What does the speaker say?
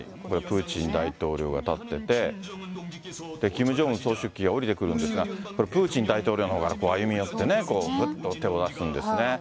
プーチン大統領が立ってて、で、キム・ジョンウン総書記が降りてくるんですが、これプーチン大統領のほうから歩み寄ってね、ぐっと手を出すんですね。